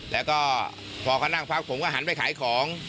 แล้วก็พอเขานั่งพักผมก็หันไปขายของ